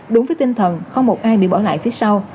đúng với tinh thần không một ai bị bỏ lại phía sau